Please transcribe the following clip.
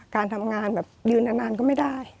การทำงานแบบยืนนานก็ไม่ได้